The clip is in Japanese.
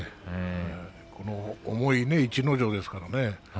この重い逸ノ城ですからね。